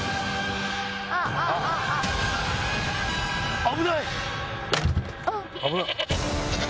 危ない！